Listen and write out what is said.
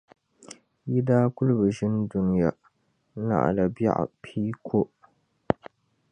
Yi daa kuli bi ʒini Dunia puuni naɣila biεɣu pia ko.